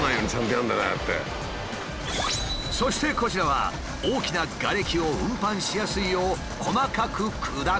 そしてこちらは大きなガレキを運搬しやすいよう細かく砕く。